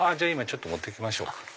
今ちょっと持って来ましょうか。